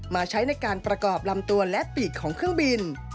ใช้ในการประกอบลำตัวและปีกของเครื่องบิน